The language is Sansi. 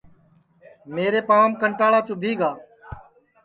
میرے پانٚوام کنٹاݪا چُوبھی گا